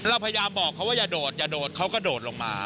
เราพยายามบอกเขาว่าอย่าโดดอย่าโดดเขาก็โดดลงมา